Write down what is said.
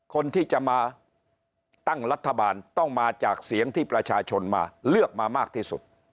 คนที่จะมาตั้งรัฐบาลต้องมาจากเสียงที่ประชาชนมาเลือกมามากที่สุด